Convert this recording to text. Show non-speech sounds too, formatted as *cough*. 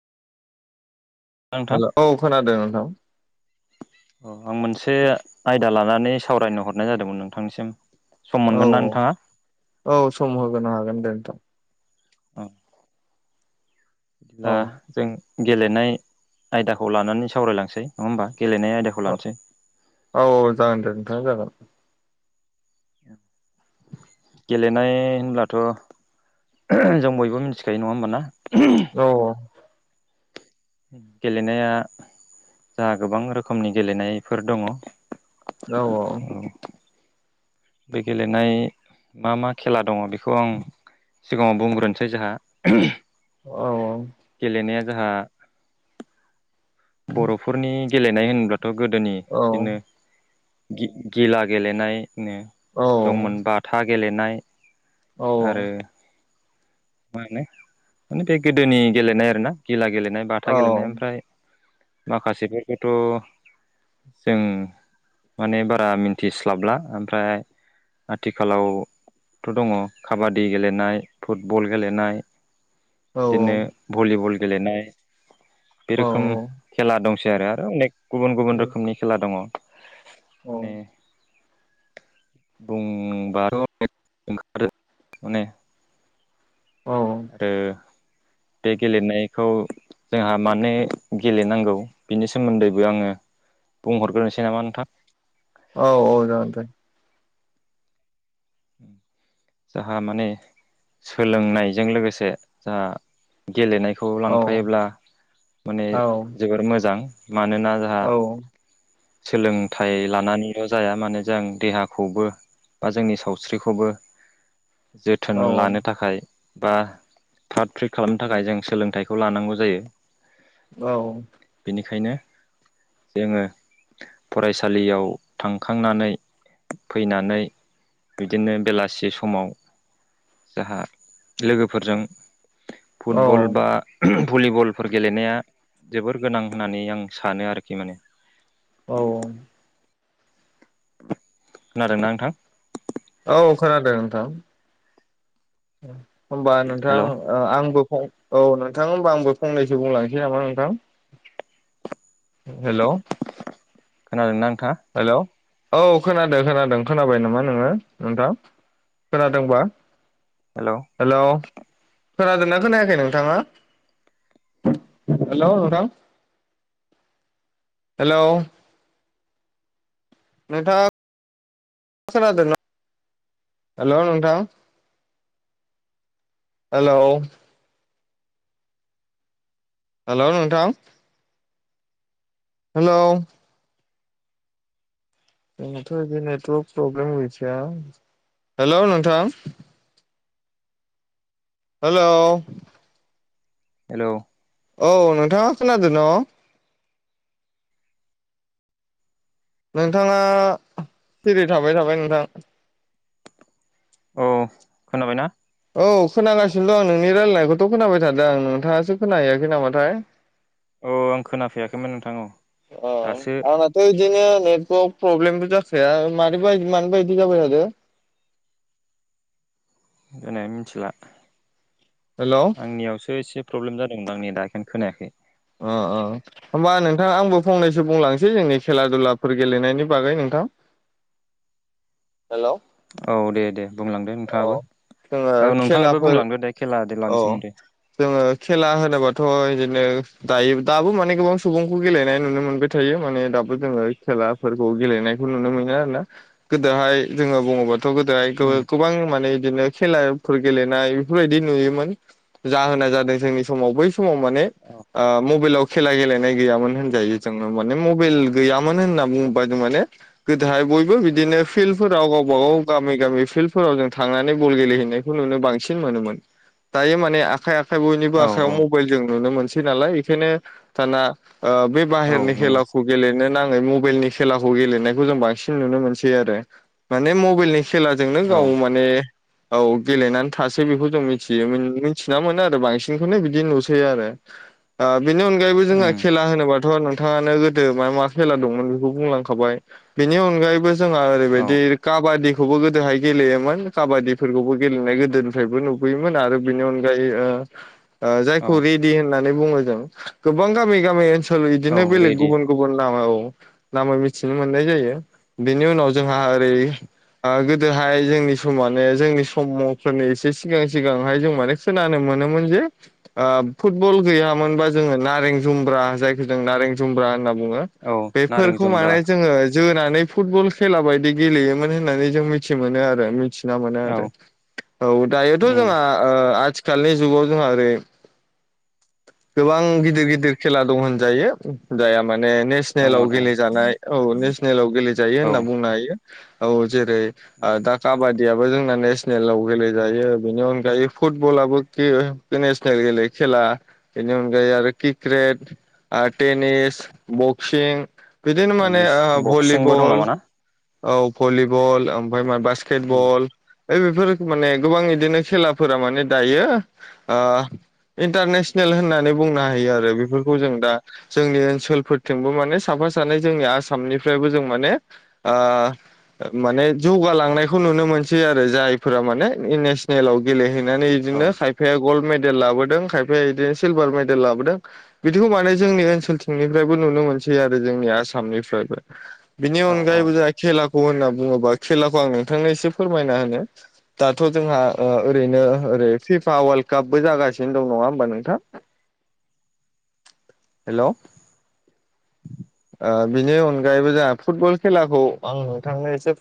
नोंथां हेल' औ खोनादों नोंथां। अ आं मोनसे आयदा लानानै सावरायनो हरनाय जादोंमोन नोंथांनिसिम। सम मोनगोन ना नोंथाङा औ-औ सम होग्रोनो हागोन दे नोंथां अ दा औ जों गेलेनाय आयदाखौ लानानै सावरायलांनोसै नङा होमबा? गेलेनाय आयदाखौ लानोसै औ-औ जागोन दे नोंथाङा जागोन *inaudible* *unintelligible* गेलेनाय होनब्लाथ' जों बयबो मिथिखायो नङा होमबाना? औ गेलेनाया जाहा गोबां रोखोमनि गेलेनायफोर दङ। औ-औ बे गेलेनाय मा मा खेला दङ बेखौ आं सिगाङाव बुंग्रोनसै जोंहा औ गेलेनाया जोंहा बर'फोरनि गेलेनाय होनब्लाथ' गोदोनि औ बिदिनो गिला गेलेनो औ दंमोन बाथा गेलेनाय औ आरो मा होनो माने बे गोदोनि गेलेनाय आरोना गिला गेलेनाय बाथा औ गेलेनाय ओमफ्राय माखासेफोरखौथ' जों माने बारा मिन्थिस्लाबला ओमफ्राय आथिखालाव थ' दङ काबादि गेलेनाय फुटबल गेलेनाय। बिदिनो भलिबल गेलेनाय बे औ रोखोम खेला दंसै आरो आरो अनेक गुबुन जागोन गुबुन दे रोखोमनि खेला दङ औ माने औ बुंबार औ ओ बे गेलेनायखौ जोंहा मानो गेलेनांगौ बिनि सोमोन्दैबो आङो बुंहरग्रोनसै नामा नोंथां? औ-औ जागोन दे जाहा माने सोलोंनायजों लोगोसे जाह गेलेनायखौ लांफायोब्ला माने जोबोर मोजां मानोना आ सोलोंथाइ लानानैल' जाया माने जों देहाखौबो बा जोंनि साव स्रिखौबो जोथोन लानो थाखाय बा फ्रात फ्रिट खालामनो थाखाय जों सोलोंथाइखौ लानांगौ जायो। औ। बेनिखायनो जोङो फरायसालियाव थांखांनानै फैनानै बिदिनो बेलासि समाव जाहा लोगोफोरजों फुटबल बा भलिबल फोर गेलेनाया जोबोर गोनां होननानै आं सानो आरोखि माने। औ। खोनादोंना नोंथां? औ खोनादों नोंथां। होमबा हेल' नोंथां। आंबो फं औ नोंथां होनबा आंबो फंनैसो बुंलांनोसै नामा नोंथां। हेल' खोनादों ना नोंथाङा? हेल' औ खोनादों खोनादों। खोनाबाय नामा नोङो नोंथां। खोनादोंबा? हेल'। हेल' खोनादोंना खोनायाखै नोंथाङा? हेल' नोंथां हेल'। नोंथाङा खोनादों ना? हेल' नोंथां। हेलौ। हेलौ नोंथां। हेलौ। आंनाथ' इदि नेटवर्क प्रब्लेम गैखाया हेलौ नोंथां। हेलौ। हेलौ। औ नोंथाङा खोनादों न'? नोंथाङा सिरि थाबाय थाबाय नोंथां। औ खोनाबायना। औ खोनागासिनो दं नोंनि रायलायनायखौथ' खोनाबाय थादों आं नोंथाङासो खोनाहैयाखै नामाथाय। *inaudible* अ आं खोनाफैयाखैमोन नोंथां औ। दासो थ' बिदिनो नेटवर्क प्रब्लेमबो जाखाया मानोबा मानोबा इदि जाबाय थादो। मिथिला हेल' अ आंनियावसो एसे प्रब्लेम जादों आं दा बेखायनो खोनायाखै। ओ ओ। होमबा नोंथां आंबो फंनैसो बुंलांसै जोंनि खेला दुलाफोर गेलेनायनि बागै नोंथां। हेलौ। औ दे दे बुंलांदो नोंथाङाबो। जोङो औ नोंथाङाबो खेलाफोर बुंलांदो दे खेला देलानि औ सोमोन्दै। जोङो खेला होनोबाथ' इदिनो दायो दाबो माने गोबां सुबुंखौ गेलेनाय नुनो मोनबाय थायो माने दाबो जोङो खेलाफोरखौ गेलेनायखौ नुनो मोनो आरोना। गोदोहाय जोङो बुङोबाथ' गोदोहाय गो उम गोबां माने इदिनो खेलाफोर गेलेनाय बेफोरबायदि नुयोमोन। जाहोनाय जादों जोंनि समाव बै समाव माने औ ओ मबाइलाव खेला गेलेनाय गैयामोन होनजायो। जोङो माने मबाइल गैयामोन होनना बुङोबा माने गोदोहाय बयबो बिदिनो फिल्डफोराव गावबा गाव गामि गामि फिल्ड आव जों थांनानै बल गेलेहैनायखौ नुनो बांसिन मोनोमोन। दायो माने आखाइ आखाइ बयनिबो औ औ आखाइयाव मबाइल जों नुनो मोनसै नालाय बेखायनो दाना आ बे औ बाहेरनि नंगौ खेला खौ गेलेनो नाङै मबाइलनि खेलाखौ गेलेनायखौ जों बांसिन नुनो मोनसै आरो माने मबाइलनि खेलाजोंनो औ गाव माने औ गेलेनानै थासै बेखौ जों मिथियो मिथिना मोनो आरो बांसिनखौनो बिदि नुसै आरो बेनि अनगायैबो जोंहा उम खेला होनोबाथ' नोंथाङानो गोदो मा मा खेला दंमोन बेखौ बुंलांखाबाय बेनि अनगायैबो जोंहा औ ओरैबायदि काबादिखौबो गोदोहाय गेलेयोमोन काबादिफोरखौबो गेलेनाय गोदोनिफ्रायबो नुबोयोमोन आरो बेनि अनगायै ओ औ जायखौ रेडि होननानै बुङो जों गोबां गामि गामि ओनसोल औ बिदिनो बेलेग रेडि गुबुन गुबुन नाम औ नामै मिथिनो मोननाय जायो बेनि उनाव जोंहा ओरै गो गोदोहाय जोंनि सम माने जोंनि समफोरनि एसे सिगां सिगांहाय जों माने खोनानो मोनोमोन जे फुटबल गैयामोनबा जोङो नारें जुम्ब्रा जायखौ जों नारें जुम्ब्रा होनना बुङो औ नारें बेफोरखौ जुम्ब्रा माने जोङो जोनानै फुटबल खेला बायदि गेलेयोमोन होननानै जों मिथि मोनो आरो मिथि ना मोनो औ आरो औ दायोथ' उम जोंहा आथिखालनि जुगाव जोंहा ओरै गोबां गिदिर गिदिर खेला दं होनजायो जाया माने ने दङ सनेलाव दङ गेलेजानाय औ नेसनेलाव गेलेजायो औ होनना बुंनो हायो औ जेरै उम दा काबादियाबो जोंना नेसनेलाव गेलेजायो बेनि अनगायै फुटबलाबो नेसनेल गेले खेला बेनि अनगायै आरो क्रिकेट ओ टेनिस बक्सिं बिदिनो माने टेनिस ओ बक्सिंबो दं भलिबल नामा ना औ भलिबल ओमफ्राय मा उम बास्केटबल बेफोर माने गोबां बिदिनो खेलाफोरा माने दायो ओ इन्टारनेसनेल होननानै बुंनो हायो आरो बेफोरखौ जों दा जोंनि ओनसोलफोरथिंबो माने साफा सानै जोंनि आसामनिफ्रायबो जों माने आ माने जौगालांनायखौ नुनो मोनसै आरो जायफोरा माने नेसनेलाव गेलेहैनानै औ बिदिनो खाय खायफाया गल्ड मेडेल लाबोदों खायफाया बिदिनो सिलभार मेडेल लाबोदों बिदिखौ माने जोंनि ओनसोलथिंनिफ्रायबो नुनो मोनसै आरो जोंनि आसामनिफ्रायबो बिनि औ औ अनगायैबो जोंहा खेलाखौ होनना बुङोबा खेलाखौ आं नोंथांनो एसे फोरमायना होनो दाथ' जोंहा ओरैनो ओरै फिफा वर्लड कापबो जागासिनो दं नङा होमबा नोंथां हेलौ बिनि अनगायैबो जों फुटबल खेलाखौ आं नोंथांनो एसे